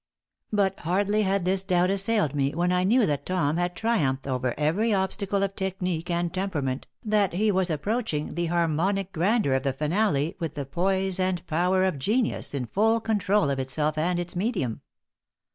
But hardly had this doubt assailed me when I knew that Tom had triumphed over every obstacle of technique and temperament, that he was approaching the harmonic grandeur of the finale with the poise and power of genius in full control of itself and its medium.